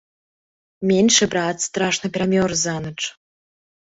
Меншы брат страшна перамёрз за ноч.